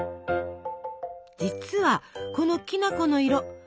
実はこのきな粉の色。